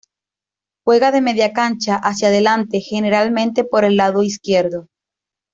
Juega de media cancha hacia delante generalmente por el lado izquierdo.